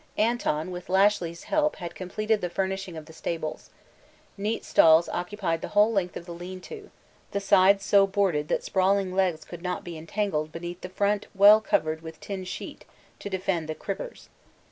Anton with Lashly's help had completed the furnishing of the stables. Neat stalls occupied the whole length of the 'lean to,' the sides so boarded that sprawling legs could not be entangled beneath and the front well covered with tin sheet to defeat the 'cribbers.'